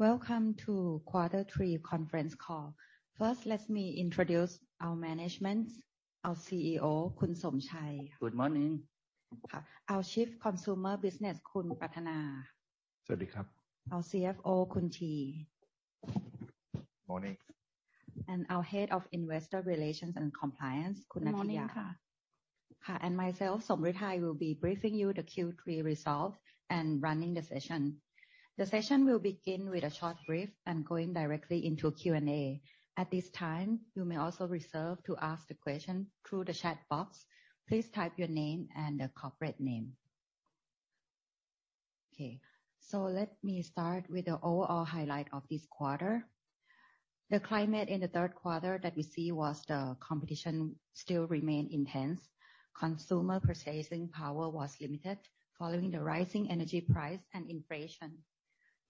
Welcome to quarter three conference call. First, let me introduce our management, our CEO, Somchai Lertsutiwong. Good morning. Our Chief Consumer Business, Pratthana Leelapanang. Our CFO, Khun Tee. Morning. Our head of investor relations and compliance, Nattiya Poapongsakorn. Myself, Somruetai Tantakitti, will be briefing you the Q3 results and running the session. The session will begin with a short brief and going directly into Q&A. At this time, you may also raise to ask the question through the chat box. Please type your name and the corporate name. Okay, so let me start with the overall highlight of this quarter. The climate in the third quarter that we see was the competition still remain intense. Consumer purchasing power was limited following the rising energy price and inflation.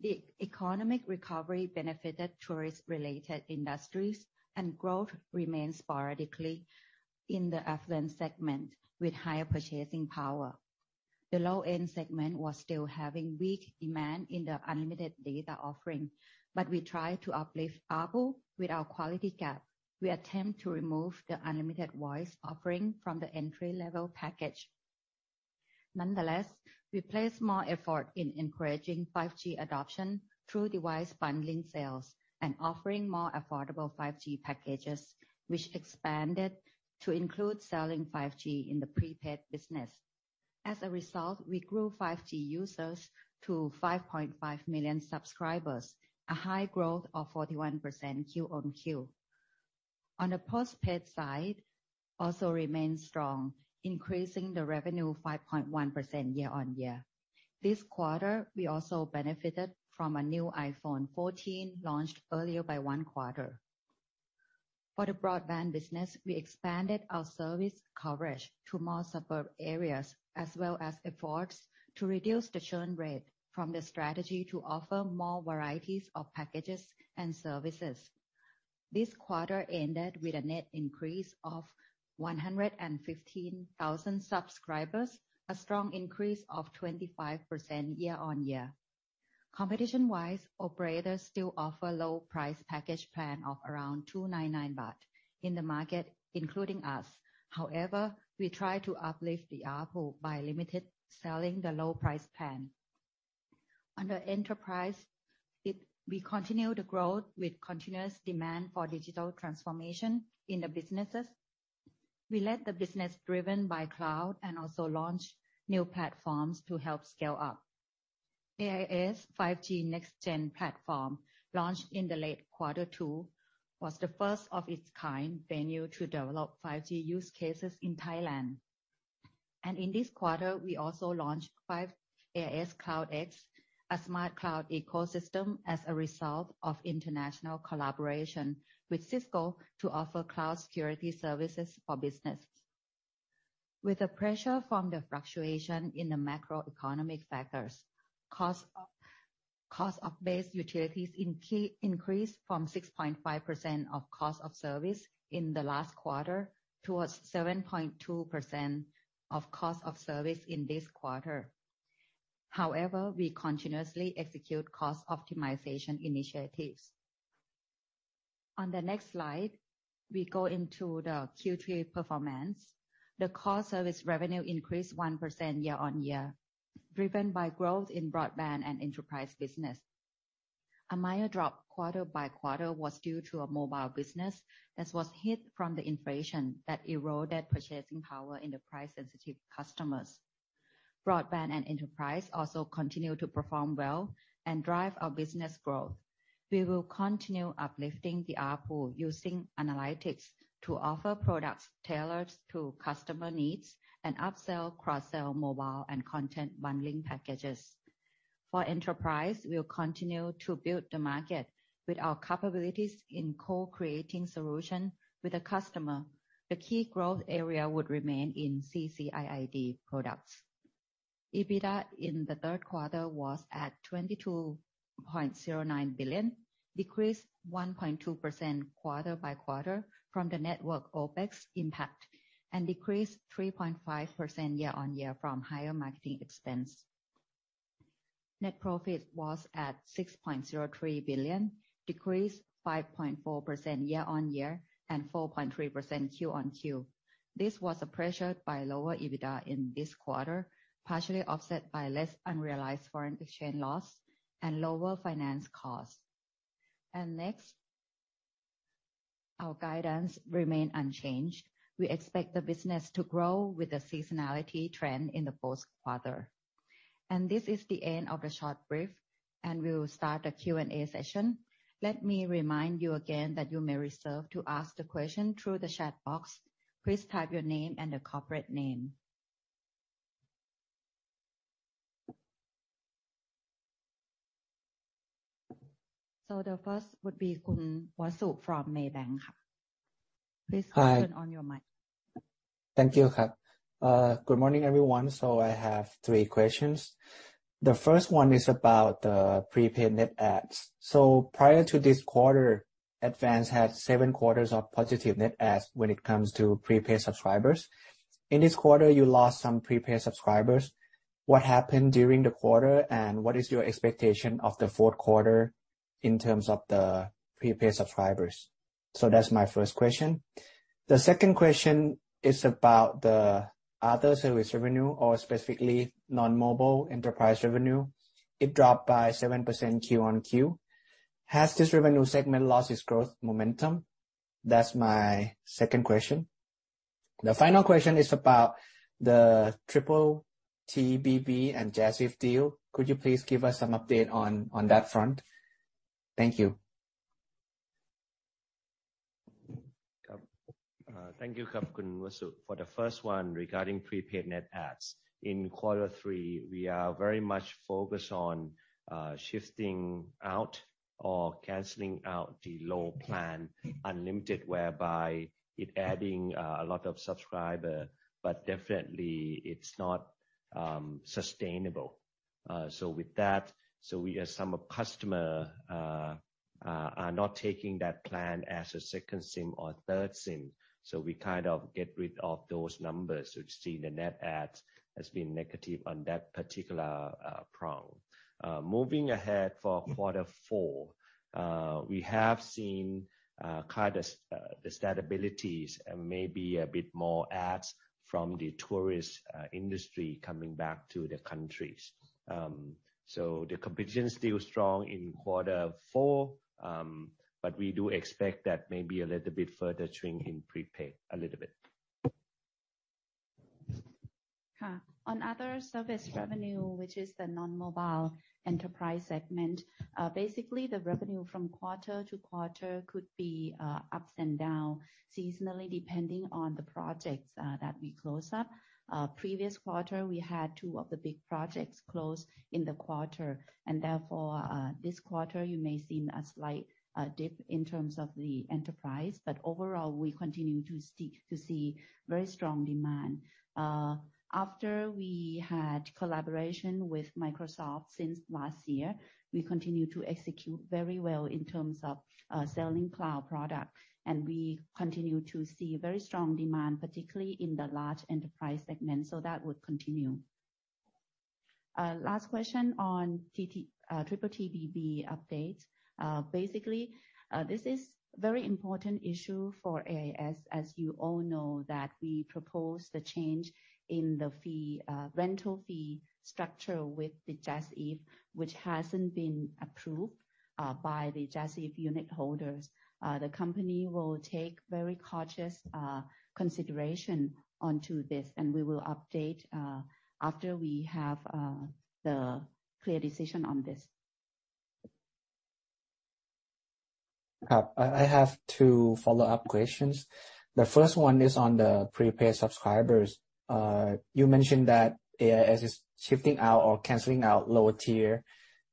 The economic recovery benefited tourist-related industries and growth remained sporadically in the affluent segment with higher purchasing power. The low-end segment was still having weak demand in the unlimited data offering, but we try to uplift ARPU with our quality gap. We attempt to remove the unlimited voice offering from the entry-level package. Nonetheless, we place more effort in encouraging 5G adoption through device bundling sales and offering more affordable 5G packages, which expanded to include selling 5G in the prepaid business. As a result, we grew 5G users to 5.5 million subscribers, a high growth of 41% QoQ. On the postpaid side, also remains strong, increasing the revenue 5.1% year-on-year. This quarter, we also benefited from a new iPhone 14 launched earlier by one quarter. For the broadband business, we expanded our service coverage to more suburban areas, as well as efforts to reduce the churn rate from the strategy to offer more varieties of packages and services. This quarter ended with a net increase of 115,000 subscribers, a strong increase of 25% year-on-year. Competition-wise, operators still offer low price package plan of around 299 baht in the market, including us. However, we try to uplift the ARPU by limited selling the low price plan. Under enterprise, we continue to grow with continuous demand for digital transformation in the businesses. We let the business driven by cloud and also launch new platforms to help scale up. AIS 5G NEXTGen Platform, launched in the late quarter two, was the first of its kind venue to develop 5G use cases in Thailand. In this quarter, we also launched AIS Cloud X, a smart cloud ecosystem, as a result of international collaboration with Cisco to offer cloud security services for business. With the pressure from the fluctuation in the macroeconomic factors, cost of base utilities increased from 6.5% of cost of service in the last quarter towards 7.2% of cost of service in this quarter. However, we continuously execute cost optimization initiatives. On the next slide, we go into the Q3 performance. The core service revenue increased 1% year-on-year, driven by growth in broadband and enterprise business. A minor drop quarter-on-quarter was due to a mobile business that was hit from the inflation that eroded purchasing power in the price-sensitive customers. Broadband and enterprise also continued to perform well and drive our business growth. We will continue uplifting the ARPU using analytics to offer products tailored to customer needs and upsell, cross-sell mobile and content bundling packages. For enterprise, we will continue to build the market with our capabilities in co-creating solution with the customer. The key growth area would remain in CCIID products. EBITDA in the third quarter was at 22.09 billion, decreased 1.2% quarter-over-quarter from the network OpEx impact, and decreased 3.5% year-on-year from higher marketing expense. Net profit was at 6.03 billion, decreased 5.4% year-on-year and 4.3% QoQ. This was pressured by lower EBITDA in this quarter, partially offset by less unrealized foreign exchange loss and lower finance costs. Next, our guidance remain unchanged. We expect the business to grow with the seasonality trend in the fourth quarter. This is the end of the short brief, and we will start the Q&A session. Let me remind you again that you may raise the question through the chat box. Please type your name and the corporate name. The first would be [Khun Vasu] from Maybank. Please- Hi. Turn on your mic. Thank you. Good morning, everyone. I have three questions. The first one is about the prepaid net adds. Prior to this quarter, Advanced had seven quarters of positive net adds when it comes to prepaid subscribers. Mm-hmm. In this quarter, you lost some prepaid subscribers. What happened during the quarter, and what is your expectation of the fourth quarter in terms of the prepaid subscribers? That's my first question. The second question is about the other service revenue or specifically non-mobile enterprise revenue. It dropped by 7% QoQ. Has this revenue segment lost its growth momentum? That's my second question. The final question is about the TTTBB and JASIF deal. Could you please give us some update on that front? Thank you. Thank you, [Khun Vasu]. For the first one regarding prepaid net adds. In quarter three, we are very much focused on shifting out or canceling out the low plan unlimited, whereby it adding a lot of subscriber, but definitely it's not sustainable. So with that, we have some customer are not taking that plan as a second SIM or third SIM, so we kind of get rid of those numbers. We've seen the net adds has been negative on that particular prong. Moving ahead for quarter four, we have seen kind of the stabilities and maybe a bit more adds from the tourist industry coming back to the countries. The competition is still strong in quarter four, but we do expect that maybe a little bit further shrink in prepaid, a little bit. On other service revenue, which is the non-mobile enterprise segment, basically the revenue from quarter to quarter could be ups and downs seasonally, depending on the projects that we close up. Previous quarter, we had two of the big projects close in the quarter, and therefore, this quarter you may seen a slight dip in terms of the enterprise. Overall, we continue to seek to see very strong demand. After we had collaboration with Microsoft since last year, we continue to execute very well in terms of selling cloud product. We continue to see very strong demand, particularly in the large enterprise segment. That would continue. Last question on TTTBB update. Basically, this is very important issue for AIS, as you all know that we propose the change in the fee, rental fee structure with the JASIF, which hasn't been approved by the JASIF unitholders. The company will take very cautious consideration onto this, and we will update after we have the clear decision on this. I have two follow-up questions. The first one is on the prepaid subscribers. You mentioned that AIS is shifting out or canceling out lower tier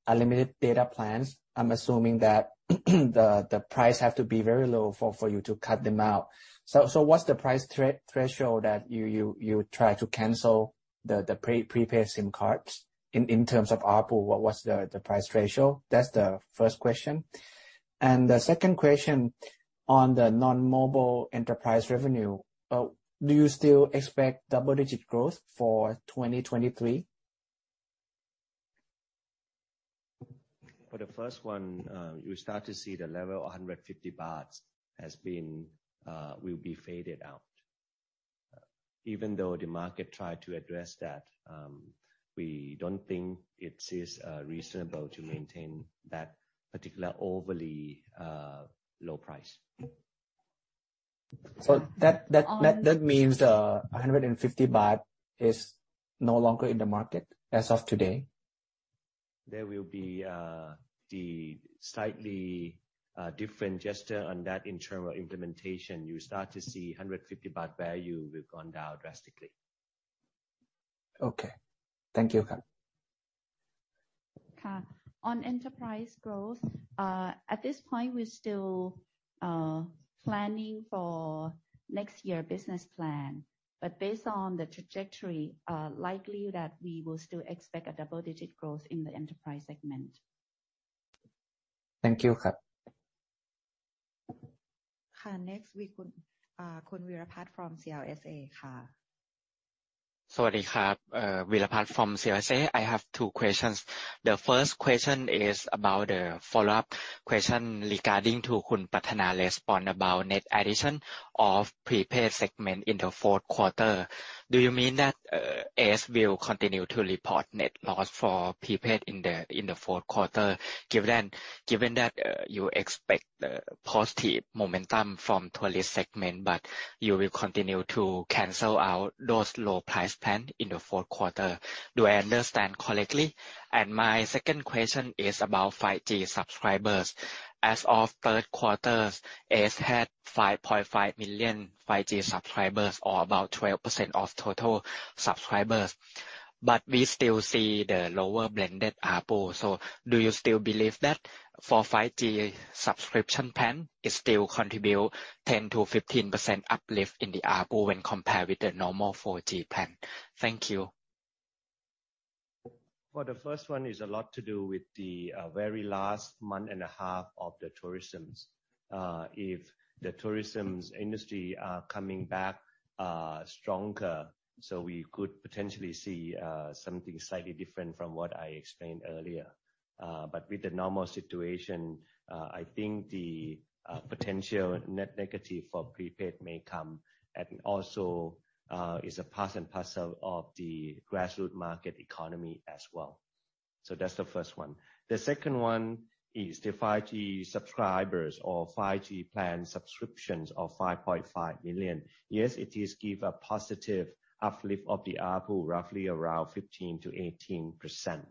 unlimited data plans. I'm assuming that the price have to be very low for you to cut them out. So what's the price threshold that you try to cancel the pre-paid SIM cards in terms of ARPU, what's the price ratio? That's the first question. The second question on the non-mobile enterprise revenue. Do you still expect double-digit growth for 2023? For the first one, you start to see the level of 150 baht has been, will be faded out. Even though the market tried to address that, we don't think it is reasonable to maintain that particular overly low price. That means the 150 baht is no longer in the market as of today? There will be a slightly different gesture on that in terms of implementation. You start to see 150 baht value will go down drastically. Okay. Thank you, Kap. On enterprise growth, at this point, we're still planning for next year business plan, but based on the trajectory, likely that we will still expect a double-digit growth in the enterprise segment. Thank you, Kap. Next, [Khun Weerapat from CLSA]. Sorry, [Kap. Weerapat from CLSA]. I have two questions. The first question is about the follow-up question regarding Khun Prathana's response about net addition of prepaid segment in the fourth quarter. Do you mean that AIS will continue to report net loss for prepaid in the fourth quarter, given that you expect positive momentum from tourist segment, but you will continue to cancel out those low price plan in the fourth quarter? Do I understand correctly? My second question is about 5G subscribers. As of third quarter, AIS had 5.5 million 5G subscribers, or about 12% of total subscribers. But we still see the lower blended ARPU. So do you still believe that for 5G subscription plan, it still contribute 10%-15% uplift in the ARPU when compared with the normal 4G plan? Thank you. For the first one is a lot to do with the very last month and a half of the tourism. If the tourism industry is coming back stronger, we could potentially see something slightly different from what I explained earlier. With the normal situation, I think the potential net negative for prepaid may come and also is a part and parcel of the grassroots market economy as well. That's the first one. The second one is the 5G subscribers or 5G plan subscriptions of 5.5 million. Yes, it gives a positive uplift to the ARPU, roughly around 15%-18%.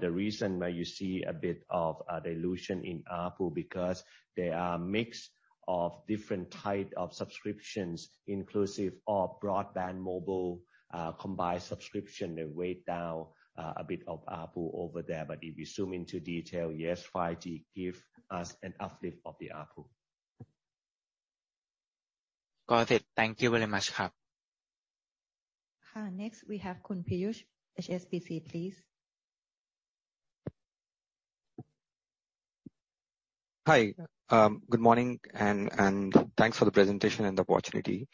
The reason why you see a bit of a dilution in ARPU, because they are a mix of different type of subscriptions inclusive of broadband mobile combined subscription. They weigh down a bit of ARPU over there. If you zoom into detail, yes, 5G give us an uplift of the ARPU. Got it. Thank you very much. Next, we have Piyush, HSBC, please. Hi. Good morning and thanks for the presentation and the opportunity.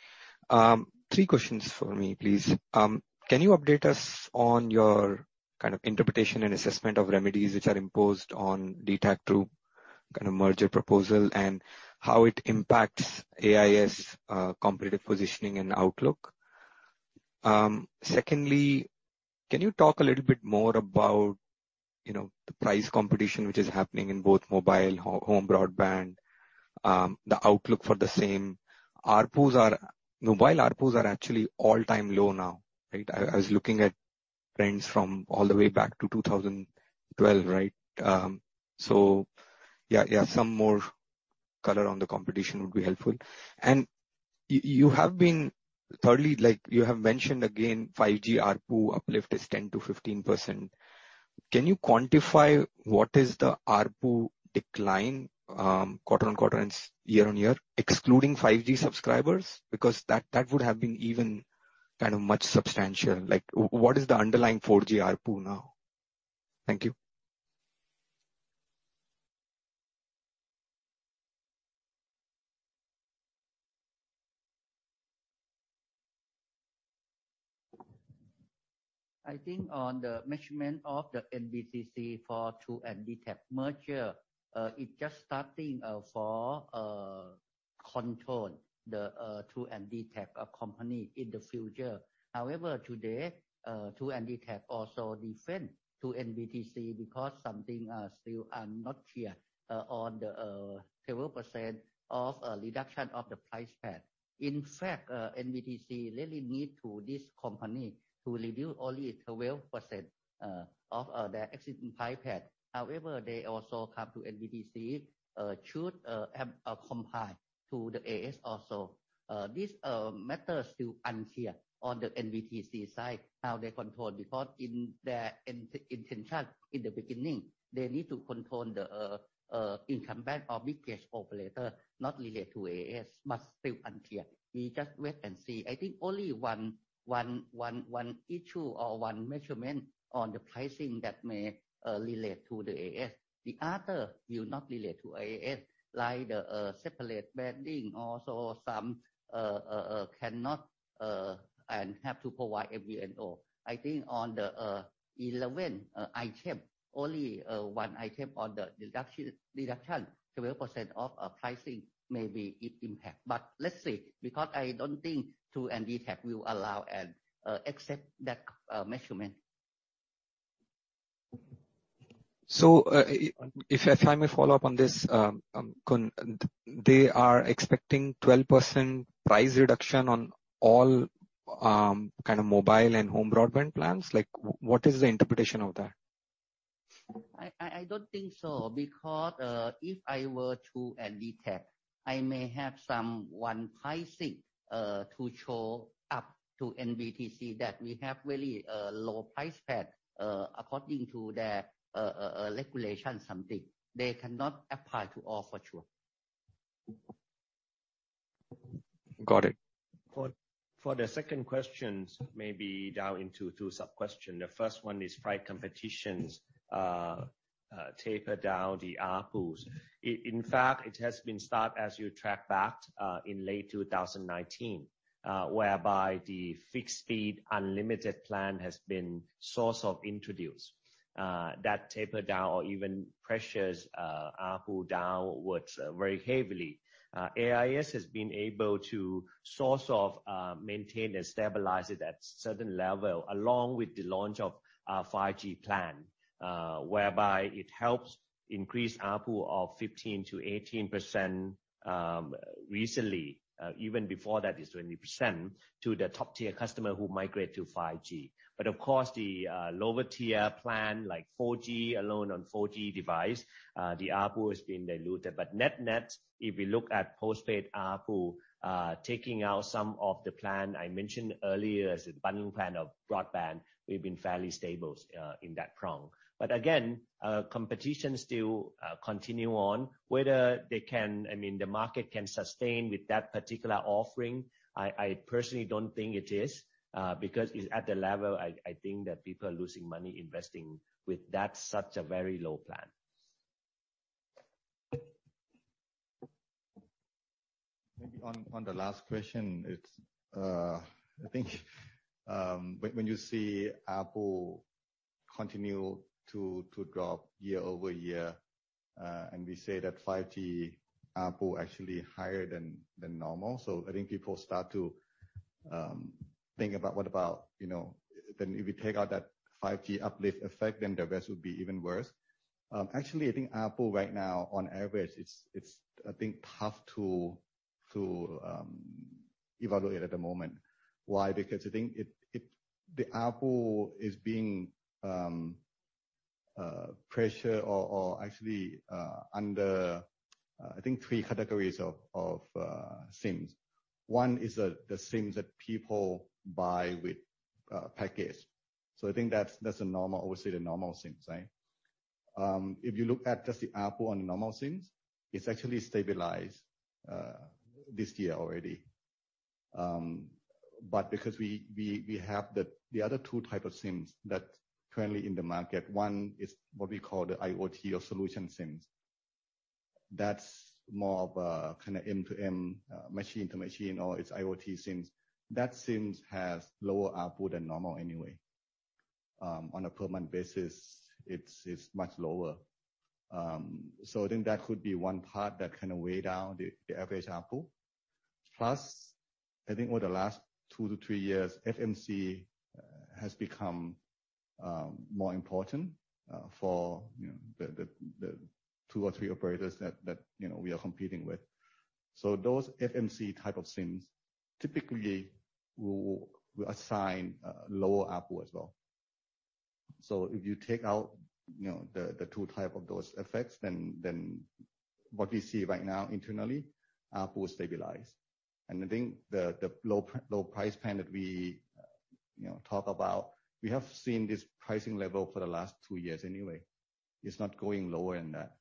Three questions for me, please. Can you update us on your kind of interpretation and assessment of remedies which are imposed on DTAC through kind of merger proposal and how it impacts AIS, competitive positioning and outlook? Secondly, can you talk a little bit more about, you know, the price competition, which is happening in both mobile, home broadband, the outlook for the same. Mobile ARPUs are actually all-time low now, right? I was looking at trends from all the way back to 2012, right? So yeah, some more color on the competition would be helpful. Thirdly, like you have mentioned again, 5G ARPU uplift is 10%-15%. Can you quantify what is the ARPU decline, quarter-on-quarter and year-on-year, excluding 5G subscribers? Because that would have been even kind of much substantial. Like what is the underlying 4G ARPU now? Thank you. I think on the measures of the NBTC for True and DTAC merger, it just starting for control the True and DTAC company in the future. However, today, True and DTAC also defend to NBTC because something still are not clear on the 12% of reduction of the price cap. In fact, NBTC really need to this company to reduce only 12% of their existing price cap. However, they also come to NBTC should have comply to the AIS also. This matter still unclear on the NBTC side, how they control, because in their intention in the beginning, they need to control the incumbent or biggest operator not related to AIS, but still unclear. We just wait and see. I think only one issue or one measurement on the pricing that may relate to the AIS. The other will not relate to AIS, like the separate branding. Also some cannot and have to provide MVNO. I think on the 11 item, only one item on the deduction 12% of pricing, maybe it impact. Let's see, because I don't think True and DTAC will allow and accept that measurement. If I may follow up on this, they are expecting 12% price reduction on all kind of mobile and home broadband plans. Like what is the interpretation of that? I don't think so because if I were True and DTAC, I may have some one pricing to show up to NBTC that we have very low price pack according to their regulation something. They cannot apply to all for sure. Got it. For the second question, maybe break down into two sub-questions. The first one is price competition that tapers down the ARPUs. In fact, it has started as you track back in late 2019, whereby the fixed speed unlimited plan has been sort of introduced. That tapered down or even pressured ARPU downwards very heavily. AIS has been able to sort of maintain and stabilize it at certain level, along with the launch of our 5G plan, whereby it helps increase ARPU of 15%-18% recently. Even before that is 20% to the top-tier customer who migrate to 5G. But of course, the lower tier plan, like 4G alone on 4G device, the ARPU has been diluted. Net-net, if we look at postpaid ARPU, taking out some of the plan I mentioned earlier as a bundling plan of broadband, we've been fairly stable, in that prong. Again, competition still continue on. Whether they can, I mean, the market can sustain with that particular offering, I personally don't think it is, because it's at the level I think that people are losing money investing with that such a very low plan. Maybe on the last question, it's, I think, when you see ARPU continue to drop year-over-year, and we say that 5G ARPU actually higher than normal. I think people start to think about what about, you know, then if you take out that 5G uplift effect, then the rest would be even worse. Actually, I think ARPU right now on average, it's I think tough to evaluate at the moment. Why? Because I think it the ARPU is being pressure or actually under I think three categories of SIMs. One is the SIMs that people buy with package. I think that's a normal obviously the normal SIMs, right? If you look at just the ARPU on normal SIMs, it's actually stabilized this year already. Because we have the other two type of SIMs that currently in the market, one is what we call the IoT or solution SIMs. That's more of a kinda end-to-end machine to machine, or it's IoT SIMs. That SIMs has lower ARPU than normal anyway. On a permanent basis, it's much lower. I think that could be one part that kinda weigh down the average ARPU. Plus, I think over the last two to three years, FMC has become more important for you know, the two or three operators that you know we are competing with. Those FMC type of SIMs typically will assign lower ARPU as well. If you take out, you know, the two types of those effects, then what we see right now internally, ARPU stabilizes. I think the low price plan that we, you know, talk about, we have seen this pricing level for the last two years anyway. It's not going lower than that.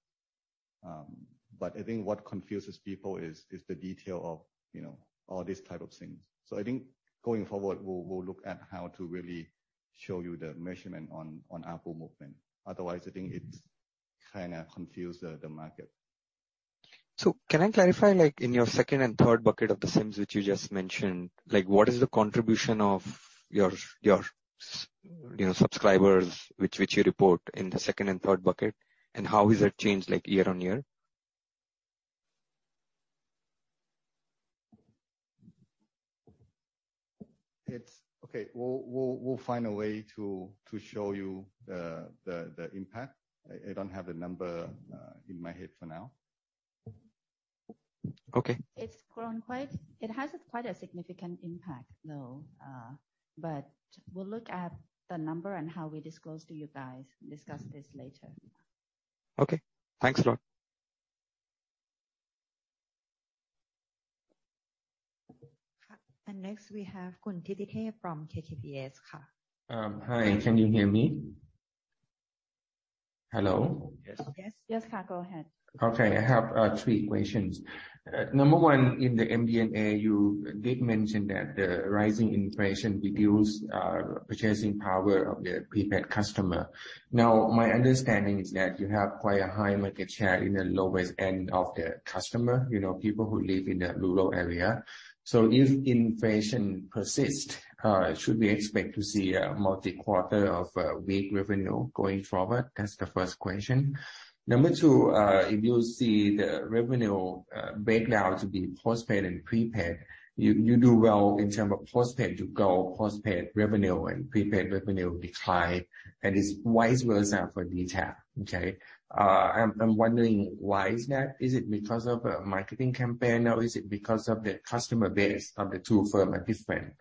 But I think what confuses people is the detail of, you know, all these types of things. I think going forward, we'll look at how to really show you the measurement on ARPU movement. Otherwise, I think it's kinda confusing the market. Can I clarify, like in your second and third bucket of the SIMs which you just mentioned, like what is the contribution of your subscribers, you know, which you report in the second and third bucket? How has that changed like year-on-year? Okay. We'll find a way to show you the impact. I don't have the number in my head for now. Okay. It has quite a significant impact, though, but we'll look at the number and how we disclose to you guys, discuss this later. Okay. Thanks a lot. Next we have Teerapol Udomvej from Kiatnakin Phatra Securities. Hi, can you hear me? Hello? Yes. Yes. Yes, go ahead. Okay. I have three questions. Number one, in the MD&A, you did mention that the rising inflation reduce purchasing power of the prepaid customer. Now, my understanding is that you have quite a high market share in the lowest end of the customer, you know, people who live in the rural area. If inflation persist, should we expect to see a multi-quarter of weak revenue going forward? That's the first question. Number two, if you see the revenue breakdown to be postpaid and prepaid, you do well in terms of postpaid. You grow postpaid revenue and prepaid revenue decline, and it's vice versa for DTAC, okay? I'm wondering why is that? Is it because of a marketing campaign or is it because of the customer base of the two firms are different?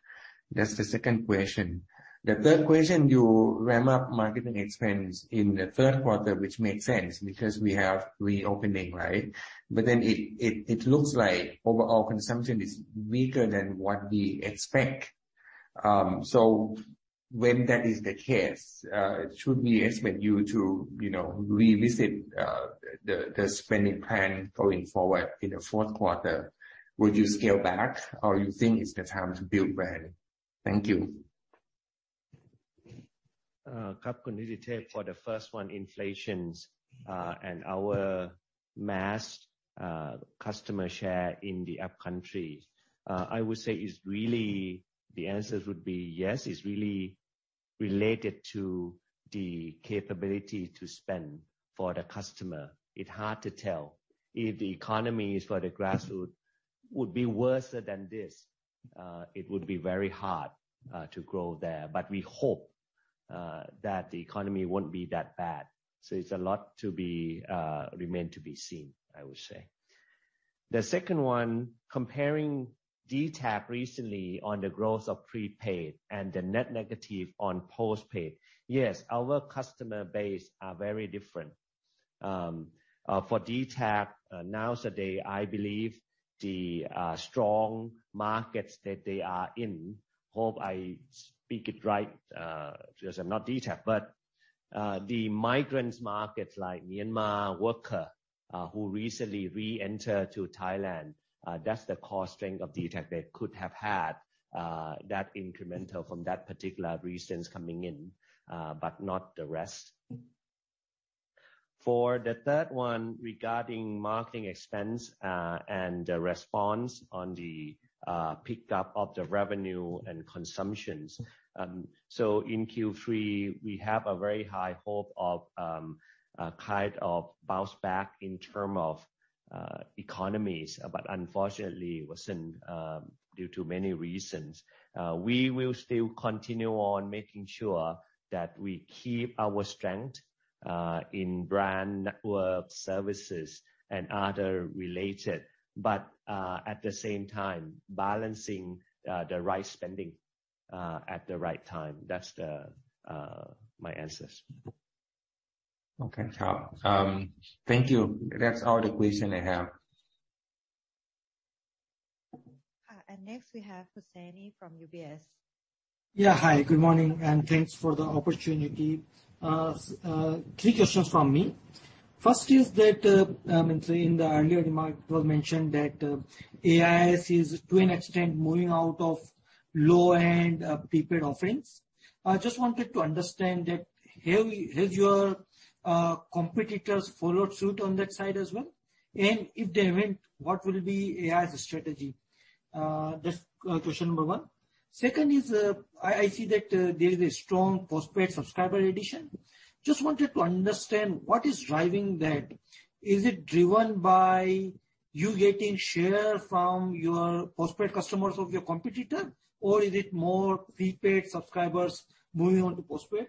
That's the second question. The third question, you ramp up marketing expense in the third quarter, which makes sense because we have reopening, right? It looks like overall consumption is weaker than what we expect. When that is the case, should we expect you to, you know, revisit the spending plan going forward in the fourth quarter? Would you scale back or you think it's the time to build brand? Thank you. For the first one, inflation and our mass customer share in the upcountry. I would say it's really the answer would be yes. It's really related to the capability to spend for the customer. It's hard to tell. If the economy is worse for the grassroots than this, it would be very hard to grow there. We hope that the economy won't be that bad. A lot remains to be seen, I would say. The second one, comparing DTAC recently on the growth of prepaid and the net negative on postpaid. Yes, our customer base are very different. For DTAC, now today, I believe the strong markets that they are in. I hope I speak it right, because I'm not DTAC. The migrant markets like Myanmar worker who recently reenter to Thailand, that's the core strength of DTAC. They could have had that incremental from that particular reasons coming in, but not the rest. For the third one regarding marketing expense and the response on the pickup of the revenue and consumptions. In Q3 we have a very high hope of a kind of bounce back in terms of economies. Unfortunately it wasn't due to many reasons. We will still continue on making sure that we keep our strength in brand network services and other related, but at the same time balancing the right spending at the right time. That's my answers. Okay, Chao. Thank you. That's all the question I have. Next we have Hussein from UBS. Yeah. Hi, good morning, and thanks for the opportunity. Three questions from me. First is that, in the earlier remark it was mentioned that, AIS is to an extent moving out of low-end, prepaid offerings. I just wanted to understand that have your competitors followed suit on that side as well? And if they haven't, what will be AIS strategy? That's question number one. Second is, I see that, there is a strong postpaid subscriber addition. Just wanted to understand what is driving that. Is it driven by you getting share from your postpaid customers of your competitor? Or is it more prepaid subscribers moving on to postpaid?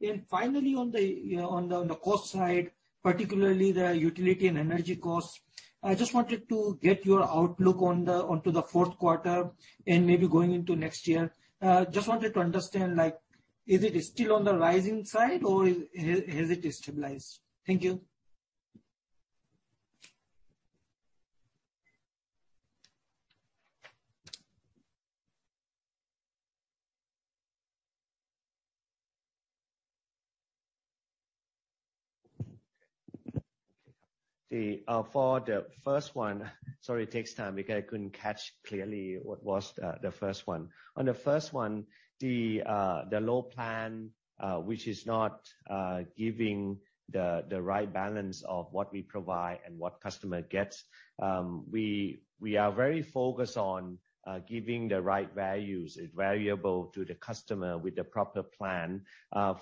And finally, on the cost side, particularly the utility and energy costs, I just wanted to get your outlook on the. On to the fourth quarter and maybe going into next year. Just wanted to understand, like is it still on the rising side or is, has it stabilized? Thank you. Sorry, it takes time because I couldn't catch clearly what was the first one. On the first one, the low plan, which is not giving the right balance of what we provide and what customer gets, we are very focused on giving the right values and variety to the customer with the proper plan.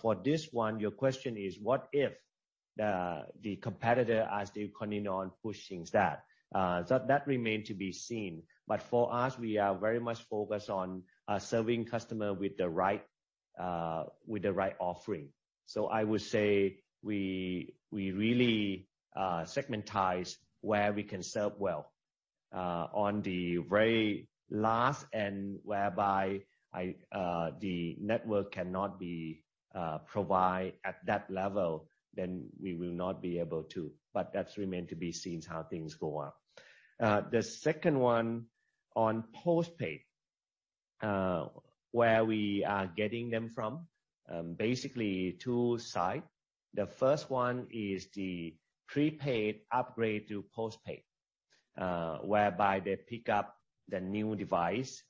For this one, your question is what if the competitor as they continue on pushing that? That remains to be seen. For us we are very much focused on serving customer with the right offering. I would say we really segmentize where we can serve well. On the very last end, whereby if the network cannot be provided at that level, then we will not be able to. That remains to be seen how things go on. The second one on postpaid, where we are getting them from. Basically two sides. The first one is the prepaid upgrade to postpaid, whereby they pick up the new device,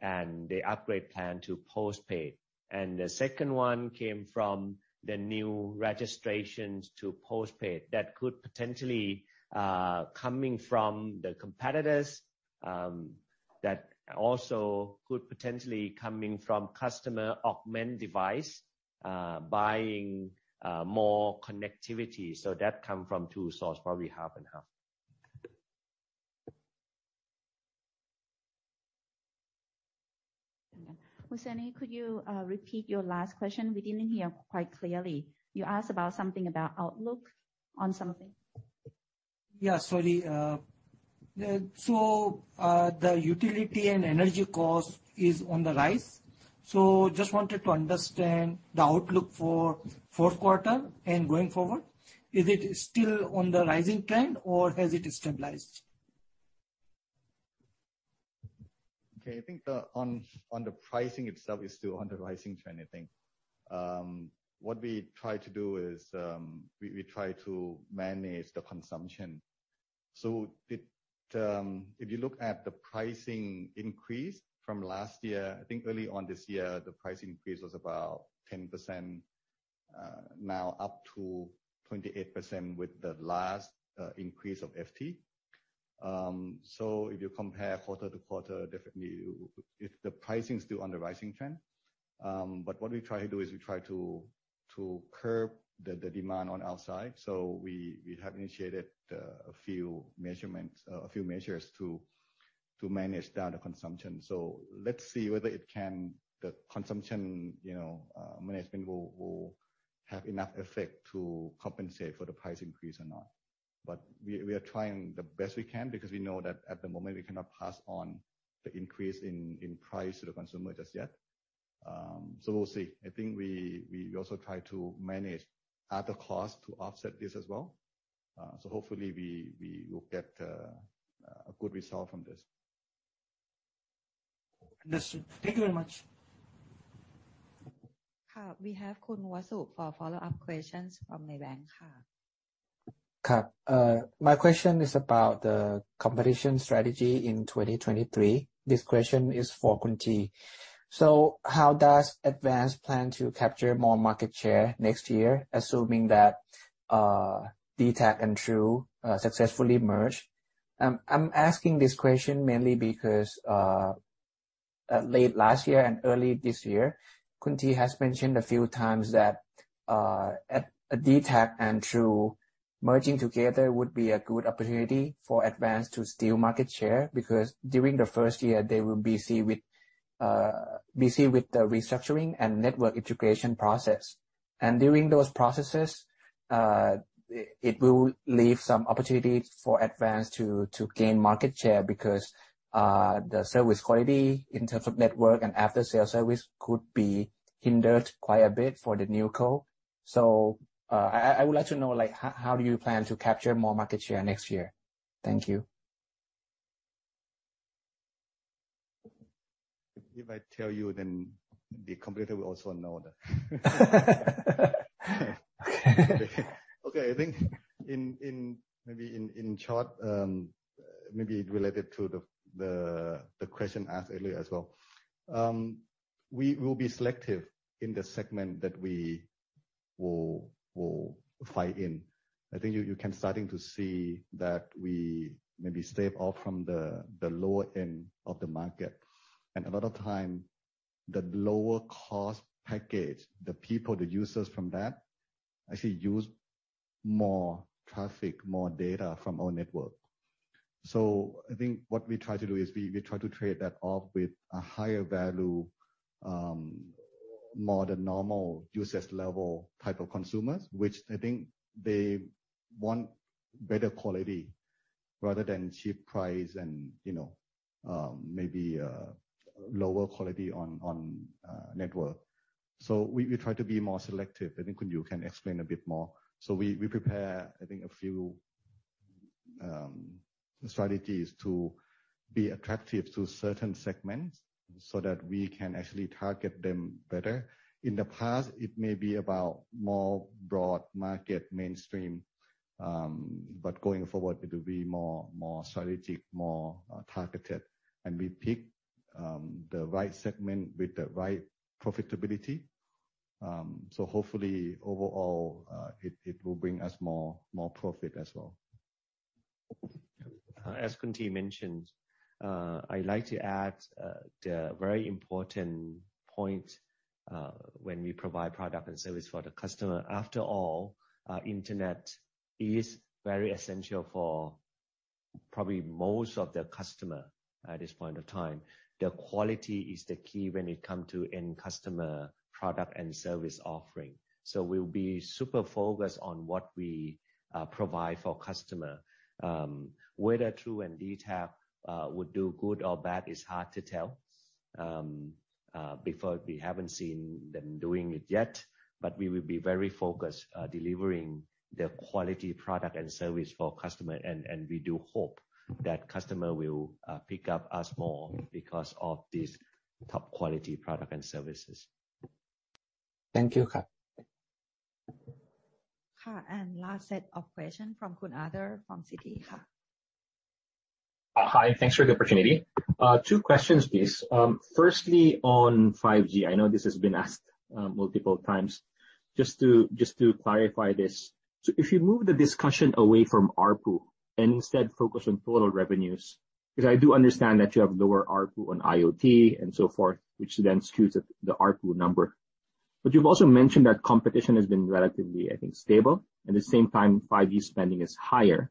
and they upgrade plan to postpaid. The second one comes from the new registrations to postpaid that could potentially come from the competitors, that also could potentially come from customer augment device buying more connectivity. That comes from two sources, probably half and half. Hussein, could you repeat your last question? We didn't hear quite clearly. You asked about something about outlook on something. Yeah. Sorry, the utility and energy cost is on the rise. Just wanted to understand the outlook for fourth quarter and going forward. Is it still on the rising trend or has it stabilized? I think on the pricing itself is still on the rising trend, I think. What we try to do is we try to manage the consumption. If you look at the pricing increase from last year, I think early on this year the price increase was about 10%, now up to 28% with the last increase of FT. If you compare quarter-to-quarter, definitely if the pricing is still on the rising trend. What we try to do is we try to curb the demand on our side. We have initiated a few measures to manage down the consumption. Let's see whether it can, the consumption, you know, management will have enough effect to compensate for the price increase or not. We are trying the best we can because we know that at the moment we cannot pass on the increase in price to the consumer just yet. We'll see. I think we also try to manage other costs to offset this as well. Hopefully we will get a good result from this. Understood. Thank you very much. We have Wasu Mattanapotchanart for follow-up questions from Maybank. My question is about the competition strategy in 2023. This question is for Tee Seeumpornroj. How does Advanced plan to capture more market share next year, assuming that DTAC and True successfully merge? I'm asking this question mainly because late last year and early this year, Tee Seeumpornroj has mentioned a few times that DTAC and True merging together would be a good opportunity for Advanced to steal market share because during the first year they will be busy with the restructuring and network integration process. During those processes, it will leave some opportunities for Advanced to gain market share because the service quality in terms of network and after sales service could be hindered quite a bit for the new co. I would like to know, like, how do you plan to capture more market share next year? Thank you. If I tell you, then the competitor will also know that. Okay. I think, in short, maybe related to the question asked earlier as well. We will be selective in the segment that we will fight in. I think you can start to see that we maybe stay away from the lower end of the market. A lot of time, the lower cost package, the people, the users from that actually use more traffic, more data from our network. I think what we try to do is we try to trade that off with a higher value, more than normal usage level type of consumers, which I think they want better quality rather than cheap price and, you know, maybe lower quality on network. We try to be more selective. I think Khun Pratthana can explain a bit more. We prepare, I think, a few strategies to be attractive to certain segments so that we can actually target them better. In the past, it may be about more broad market mainstream, but going forward it will be more strategic, more targeted. We pick the right segment with the right profitability. Hopefully overall, it will bring us more profit as well. As Tee mentioned, I'd like to add the very important point when we provide product and service for the customer. After all, internet is very essential for probably most of the customer at this point of time. The quality is the key when it come to end customer product and service offering. We'll be super focused on what we provide for customer. Whether True and DTAC would do good or bad is hard to tell before we haven't seen them doing it yet. We will be very focused delivering the quality product and service for customer. We do hope that customer will pick up us more because of these top quality product and services. Thank you. Last set of questions from Arthur Pineda from Citi. Hi, and thanks for the opportunity. Two questions, please. Firstly, on 5G. I know this has been asked multiple times. Just to clarify this. If you move the discussion away from ARPU and instead focus on total revenues, 'cause I do understand that you have lower ARPU on IoT and so forth, which then skews the ARPU number. You've also mentioned that competition has been relatively, I think, stable. At the same time, 5G spending is higher.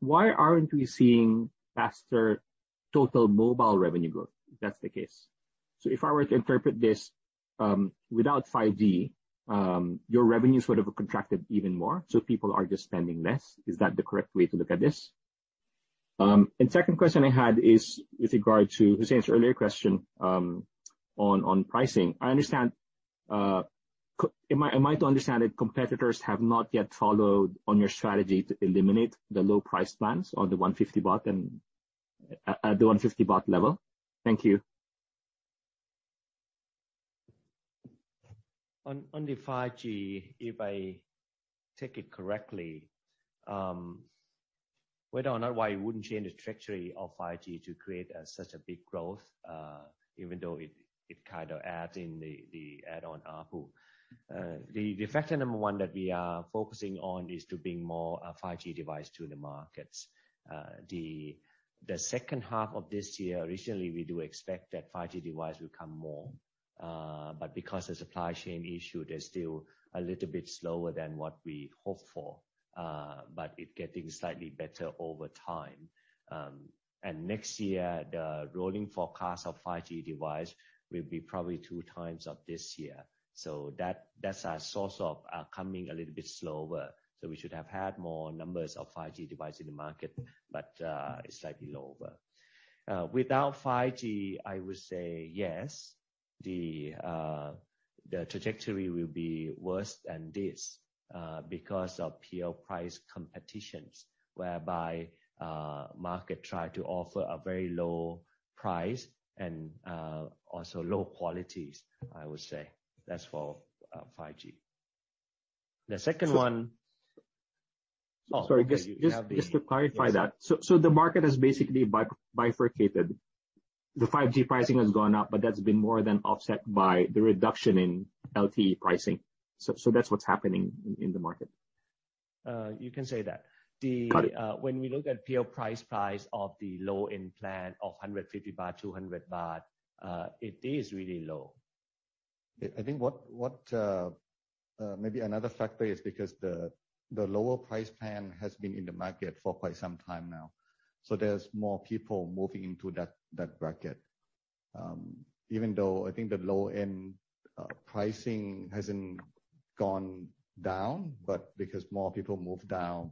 Why aren't we seeing faster total mobile revenue growth if that's the case? If I were to interpret this, without 5G, your revenues would have contracted even more, so people are just spending less. Is that the correct way to look at this? Second question I had is with regard to Hussain's earlier question, on pricing. I understand, am I to understand that competitors have not yet followed on your strategy to eliminate the low price plans on the 150 baht and at the 150 baht level? Thank you. On the 5G, if I take it correctly, whether or not why it wouldn't change the trajectory of 5G to create a such a big growth, even though it kind of adds in the add-on ARPU. The factor number one that we are focusing on is to bring more 5G device to the markets. The second half of this year, originally we do expect that 5G device will come more, but because of supply chain issue, they're still a little bit slower than what we hoped for. But it getting slightly better over time. Next year, the rolling forecast of 5G device will be probably two times of this year. That, that's a source of coming a little bit slower. We should have had more numbers of 5G device in the market, but it's slightly lower. Without 5G, I would say yes. The trajectory will be worse than this because of pure price competitions, whereby market try to offer a very low price and also low qualities, I would say. That's for 5G. The second one- Sorry. Just to clarify that. Yes. The market has basically bifurcated. The 5G pricing has gone up, but that's been more than offset by the reduction in LTE pricing. That's what's happening in the market. You can say that. Got it. When we look at pure price of the low-end plan of 150 baht, 200 baht, it is really low. I think maybe another factor is because the lower price plan has been in the market for quite some time now. There's more people moving into that bracket. Even though I think the low-end pricing hasn't gone down, but because more people move down.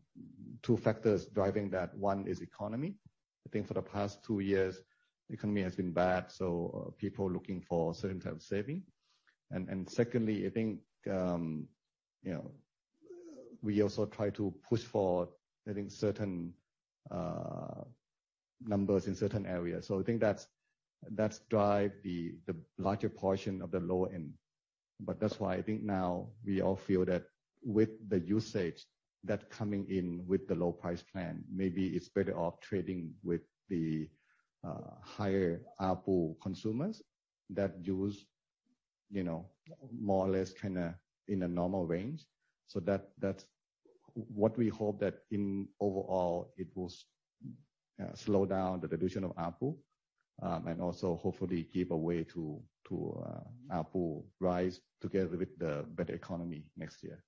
Two factors driving that, one is economy. I think for the past two years, economy has been bad, so people are looking for certain type of saving. Secondly, I think you know we also try to push for getting certain numbers in certain areas. I think that's drive the larger portion of the low end. That's why I think now we all feel that with the usage that's coming in with the low price plan, maybe it's better off trading with the higher ARPU consumers that use, you know, more or less kinda in a normal range. That's what we hope that overall it will slow down the reduction of ARPU, and also hopefully give a way to ARPU rise together with the better economy next year.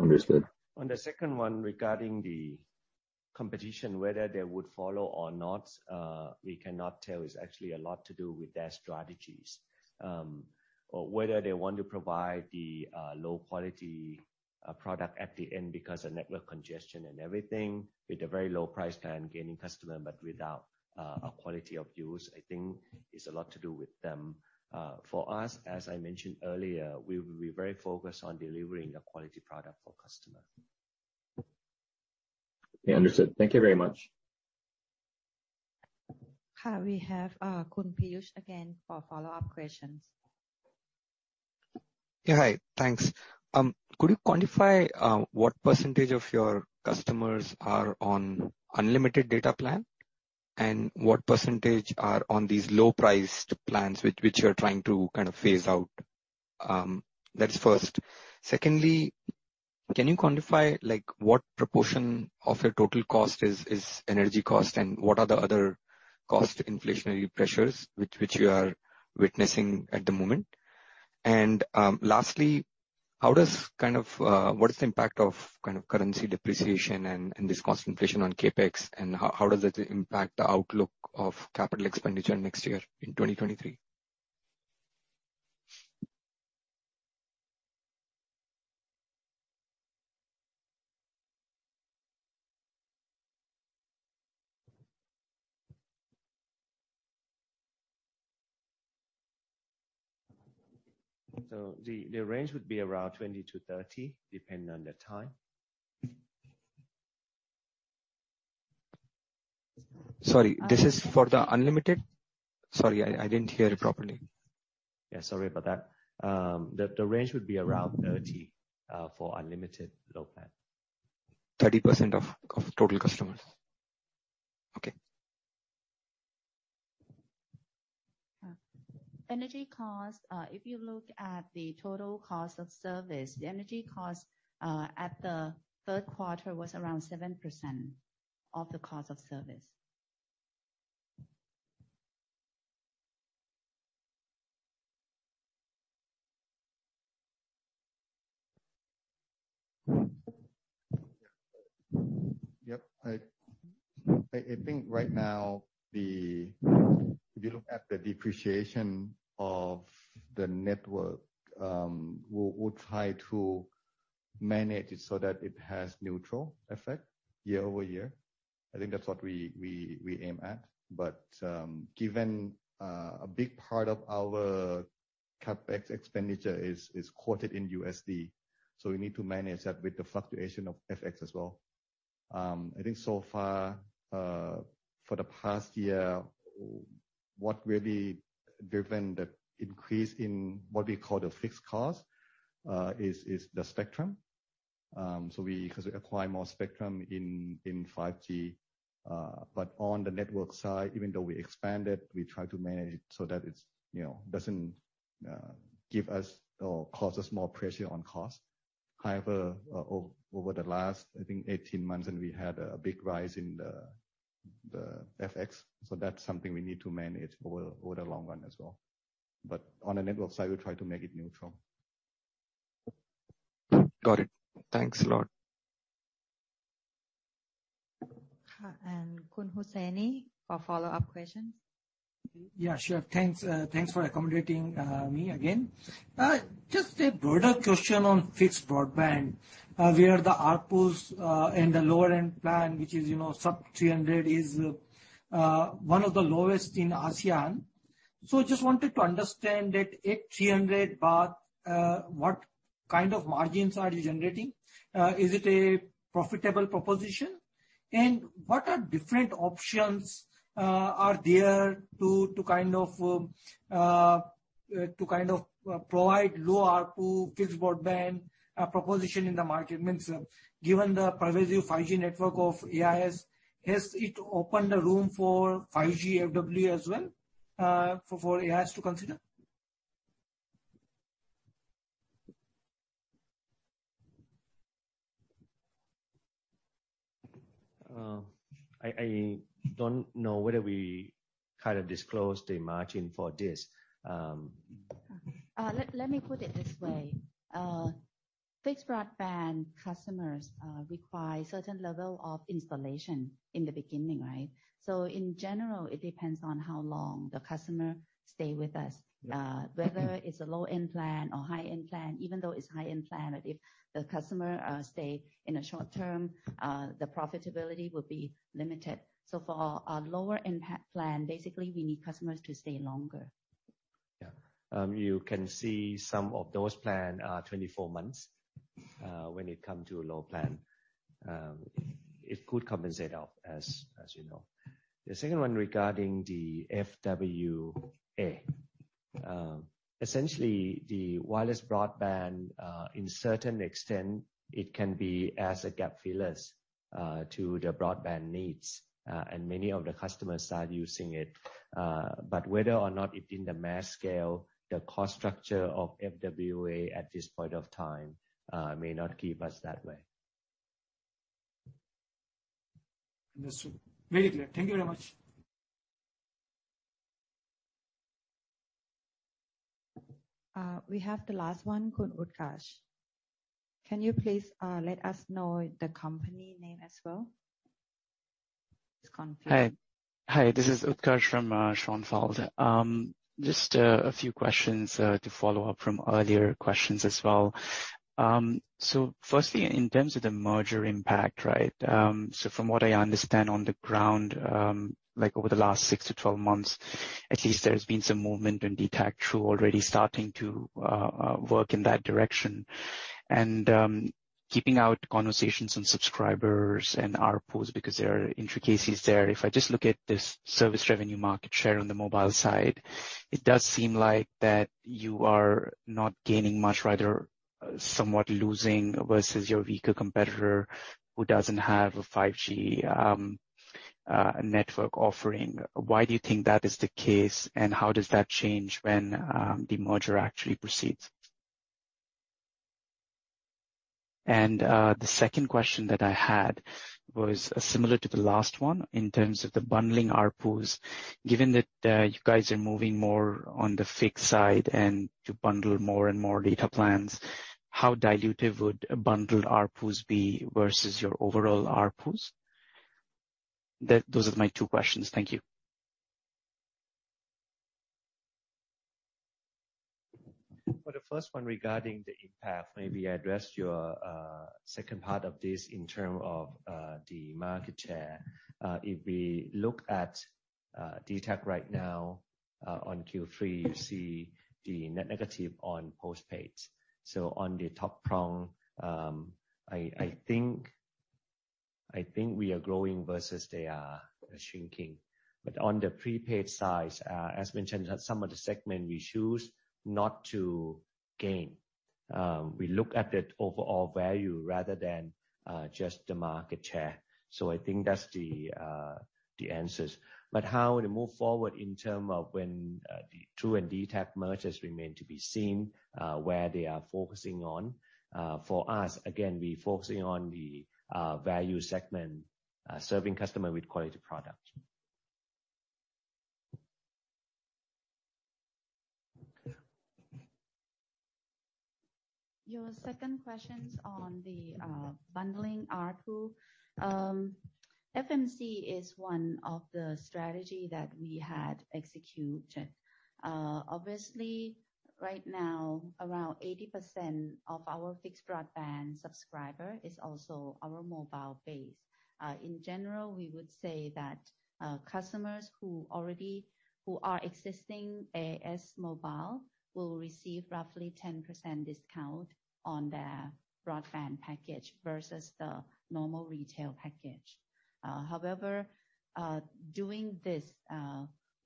Understood. On the second one, regarding the competition, whether they would follow or not, we cannot tell. It's actually a lot to do with their strategies. Whether they want to provide the low quality product at the end because of network congestion and everything, with a very low price plan gaining customer but without a quality of use. I think it's a lot to do with them. For us, as I mentioned earlier, we will be very focused on delivering a quality product for customer. Yeah, understood. Thank you very much. Hi. We have, Khun Piyush again for follow-up questions. Yeah, hi. Thanks. Could you quantify what percentage of your customers are on unlimited data plan? What percentage are on these low-priced plans which you're trying to kind of phase out? That's first. Secondly, can you quantify, like, what proportion of your total cost is energy cost, and what are the other cost inflationary pressures which you are witnessing at the moment? Lastly, what is the impact of kind of currency depreciation and this cost inflation on CapEx, and how does it impact the outlook of capital expenditure next year in 2023? The range would be around 20-30, depending on the time. Sorry, this is for the unlimited? Sorry, I didn't hear it properly. Yeah, sorry about that. The range would be around 30 for unlimited low plan. 30% of total customers? Okay. Energy cost, if you look at the total cost of service, the energy cost, at the third quarter was around 7% of the cost of service. Yep. I think right now. If you look at the depreciation of the network, we'll try to manage it so that it has neutral effect year-over-year. I think that's what we aim at. Given a big part of our CapEx expenditure is quoted in USD, we need to manage that with the fluctuation of FX as well. I think so far, for the past year, what really driven the increase in what we call the fixed cost is the spectrum. So 'cause we acquire more spectrum in 5G. On the network side, even though we expand it, we try to manage it so that it's, you know, doesn't give us or cause us more pressure on cost. However, over the last, I think 18 months and we had a big rise in the FX. That's something we need to manage over the long run as well. On the network side, we try to make it neutral. Got it. Thanks a lot. Khun [Hussain] for follow-up questions. Yeah, sure. Thanks for accommodating me again. Just a broader question on fixed broadband, where the ARPU in the lower end plan, which is, you know, sub-300, is one of the lowest in ASEAN. Just wanted to understand that at 300, what kind of margins are you generating? Is it a profitable proposition? What are different options are there to kind of provide low ARPU fixed broadband proposition in the market? I mean, given the pervasive 5G network of AIS, has it opened a room for 5G FWA as well, for AIS to consider? I don't know whether we kind of disclose the margin for this. Let me put it this way. Fixed broadband customers require certain level of installation in the beginning, right? In general, it depends on how long the customer stay with us. Yeah. Whether it's a low-end plan or high-end plan, even though it's high-end plan, if the customer stay in a short term, the profitability will be limited. For our lower impact plan, basically, we need customers to stay longer. Yeah. You can see some of those plans are 24 months when it comes to a low plan. It could compensate for as you know. The second one regarding the FWA. Essentially the wireless broadband, to a certain extent, it can be as gap fillers to the broadband needs. Many of the customers are using it. Whether or not it's in the mass scale, the cost structure of FWA at this point of time may not give us that way. Understood. Very clear. Thank you very much. We have the last one, Utkarsh. Can you please let us know the company name as well? It's confusing. Hi. Hi, this is Utkarsh from Schonfeld. Just a few questions to follow up from earlier questions as well. Firstly, in terms of the merger impact, right? From what I understand on the ground, like over the last six-12 months at least, there's been some movement in DTAC, True already starting to work in that direction. Keeping out conversations on subscribers and ARPU because there are intricacies there. If I just look at this service revenue market share on the mobile side, it does seem like that you are not gaining much, rather somewhat losing versus your weaker competitor who doesn't have a 5G network offering. Why do you think that is the case, and how does that change when the merger actually proceeds? The second question that I had was similar to the last one in terms of the bundling ARPU. Given that, you guys are moving more on the fixed side and to bundle more and more data plans, how dilutive would bundled ARPU be versus your overall ARPU? Those are my two questions. Thank you. For the first one regarding the impact, maybe I address your second part of this in terms of the market share. If we look at DTAC right now, on Q3, you see the negative on postpaid. On the top rung, I think we are growing versus they are shrinking. On the prepaid side, as mentioned, some of the segment we choose not to gain. We look at the overall value rather than just the market share. I think that's the answer. How to move forward in terms of when the True and DTAC merger has remained to be seen, where they are focusing on. For us, again, we're focusing on the value segment, serving customer with quality product. Your second question on the bundling ARPU. FMC is one of the strategy that we had executed. Obviously right now, around 80% of our fixed broadband subscriber is also our mobile base. In general, we would say that customers who are existing AIS mobile will receive roughly 10% discount on their broadband package versus the normal retail package. However, doing this,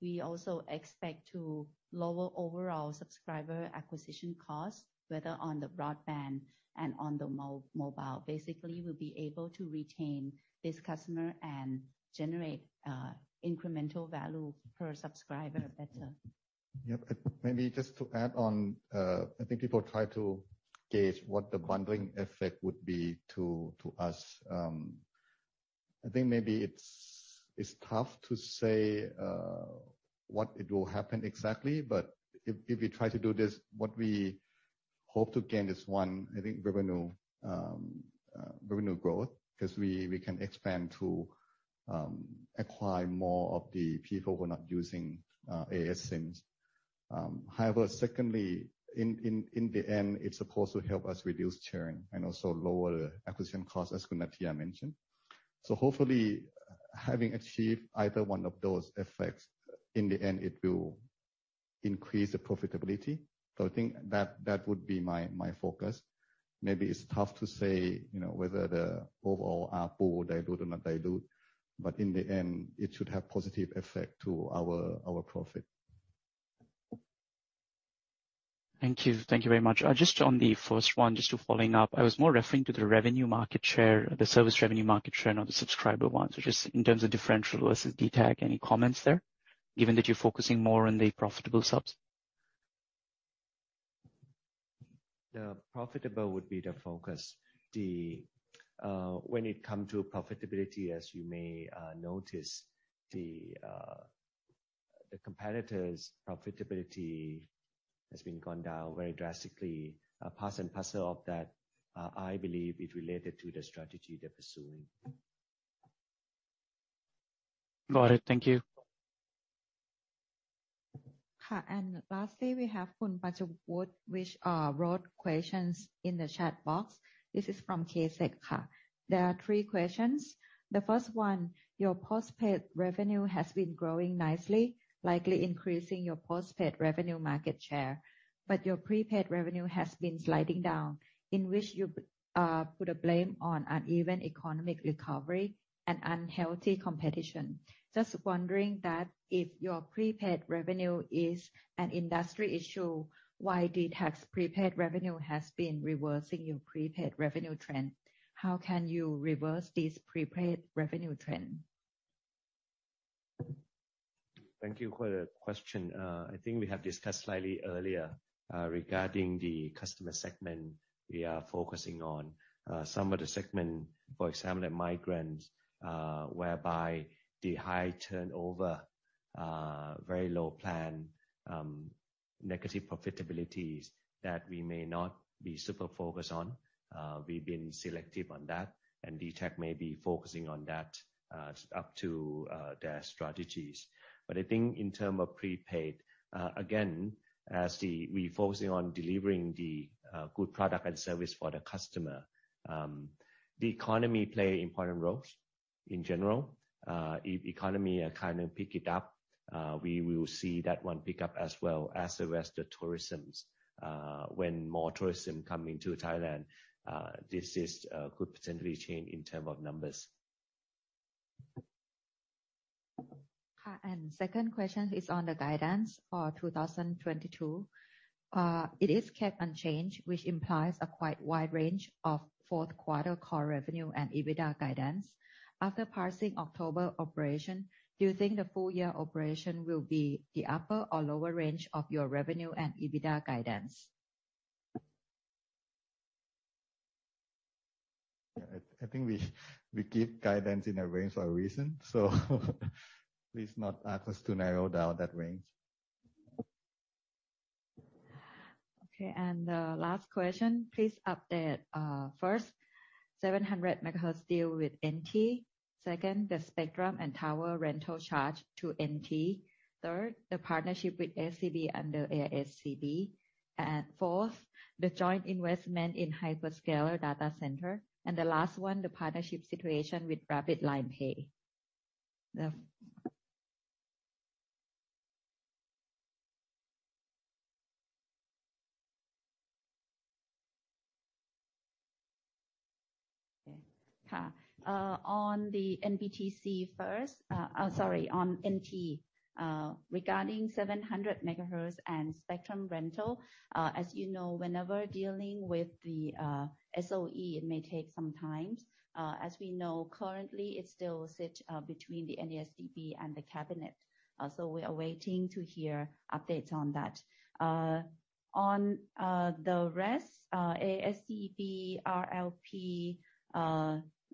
we also expect to lower overall subscriber acquisition costs, whether on the broadband and on the mobile. Basically, we'll be able to retain this customer and generate incremental value per subscriber better. Yep. Maybe just to add on, I think people try to gauge what the bundling effect would be to us. I think maybe it's tough to say what it will happen exactly. If we try to do this, what we hope to gain is one, I think revenue. Revenue growth, because we can expand to acquire more of the people who are not using AIS SIMs. However, secondly, in the end, it's supposed to help us reduce churn and also lower the acquisition cost, as Nattiya mentioned. Hopefully having achieved either one of those effects, in the end it will increase the profitability. I think that would be my focus. Maybe it's tough to say, you know, whether the overall ARPU dilute or not dilute, but in the end it should have positive effect to our profit. Thank you. Thank you very much. Just on the first one, just to follow up. I was more referring to the revenue market share, the service revenue market share, not the subscriber one. Just in terms of differential versus DTAC, any comments there, given that you're focusing more on the profitable subs? The profitability would be the focus. When it comes to profitability, as you may notice, the competitors' profitability has gone down very drastically. Part and parcel of that, I believe it's related to the strategy they're pursuing. Got it. Thank you. Lastly, we have [Khun Pajibukd], which wrote questions in the chat box. This is from [KSEC]. There are three questions. The first one, your postpaid revenue has been growing nicely, likely increasing your postpaid revenue market share. Your prepaid revenue has been sliding down, in which you put a blame on uneven economic recovery and unhealthy competition. Just wondering that if your prepaid revenue is an industry issue, why DTAC's prepaid revenue has been reversing your prepaid revenue trend? How can you reverse this prepaid revenue trend? Thank you for the question. I think we have discussed slightly earlier regarding the customer segment we are focusing on. Some of the segment, for example, the migrants, whereby the high turnover, very low plan, negative profitabilities that we may not be super focused on. We've been selective on that, and DTAC may be focusing on that, up to their strategies. I think in term of prepaid, again, we focusing on delivering the good product and service for the customer. The economy play important roles in general. If economy kind of pick it up, we will see that one pick up as well as the rest of tourisms. When more tourism come into Thailand, this could potentially change in term of numbers. Second question is on the guidance for 2022. It is kept unchanged, which implies a quite wide range of fourth quarter core revenue and EBITDA guidance. After parsing October operation, do you think the full year operation will be the upper or lower range of your revenue and EBITDA guidance? I think we give guidance in a range for a reason, so please not ask us to narrow down that range. Okay. Last question. Please update, first 700 MHz deal with NT. Second, the spectrum and tower rental charge to NT. Third, the partnership with SCB under AISCB. Fourth, the joint investment in hyperscaler data center. Last one, the partnership situation with Rabbit LINE Pay. On NT first. Regarding 700 megahertz and spectrum rental, as you know, whenever dealing with the SOE, it may take some time. As we know currently, it still sit between the NESDC and the cabinet. So we are waiting to hear updates on that. On the rest, AISCB, RLP,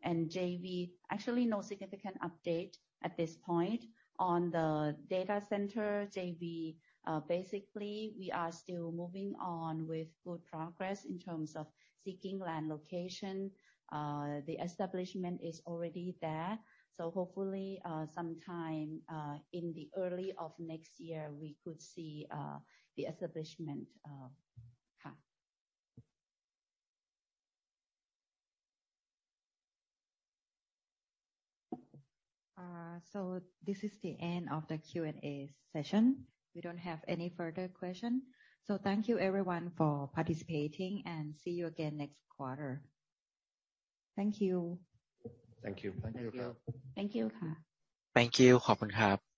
and JV, actually no significant update at this point. On the data center JV, basically we are still moving on with good progress in terms of seeking land location. The establishment is already there, so hopefully, sometime, in the early of next year, we could see the establishment. This is the end of the Q&A session. We don't have any further question. Thank you everyone for participating and see you again next quarter. Thank you. Thank you. Thank you. Thank you. Thank you.